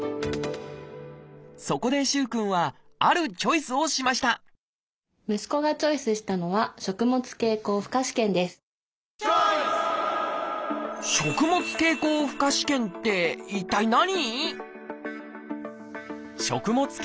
そこで萩くんはあるチョイスをしました息子がチョイスしたのは「食物経口負荷試験」って一体何？